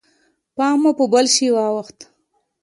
پام مو په بل شي واوښت.